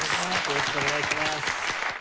よろしくお願いします。